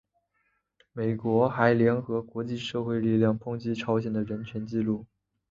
美国还联合国际社会力量抨击朝鲜的人权纪录。